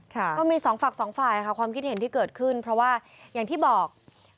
ก็มีสองฝั่งสองฝ่ายค่ะความคิดเห็นที่เกิดขึ้นเพราะว่าอย่างที่บอก